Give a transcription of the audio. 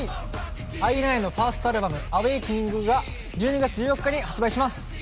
◆ＩＮＩのファーストアルバム「Ａｗａｋｅｎｉｎｇ」を１２月１４日に発売します！